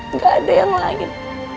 nggak ada yang lain